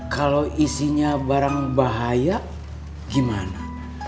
kalau isinya barang bahaya gimana